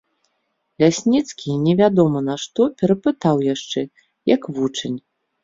Лясніцкі невядома нашто перапытаў яшчэ, як вучань.